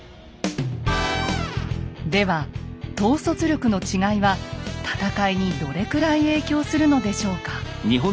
では統率力の違いは戦いにどれくらい影響するのでしょうか。